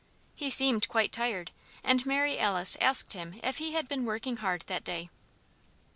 He seemed quite tired, and Mary Alice asked him if he had been working hard that day.